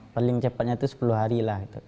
paling cepatnya itu sepuluh hari lah